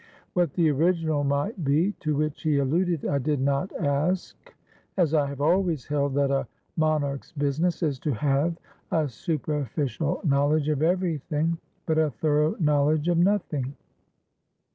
What the 'original' might be to which he alluded I did not ask, as I have always held that a mon arch's business is to have a superficial knowledge of everything, but a thorough knowledge of nothing.